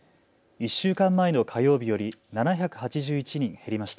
１週間前の火曜日より７８１人減りました。